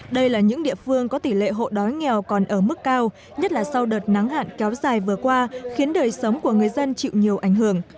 đây là những địa phương có tỷ lệ hộ đói nghèo còn ở mức cao nhất là sau đợt nắng hạn kéo dài vừa qua khiến đời sống của người dân chịu nhiều ảnh hưởng